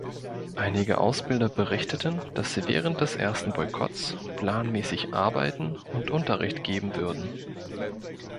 Einige Ausbilder berichteten, dass sie während des ersten Boykotts planmäßig arbeiten und Unterricht geben würden.